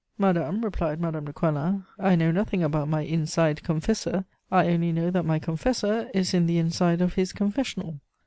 "Madame," replied Madame de Coislin, "I know nothing about my inside confessor; I only know that my confessor is in the inside of his confessional."